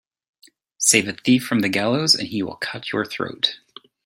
Save a thief from the gallows and he will cut your throat.